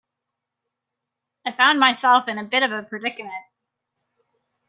I found myself in a bit of a predicament.